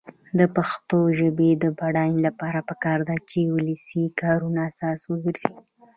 د پښتو ژبې د بډاینې لپاره پکار ده چې ولسي کارونه اساس وګرځي.